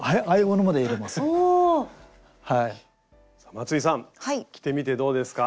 松井さん着てみてどうですか？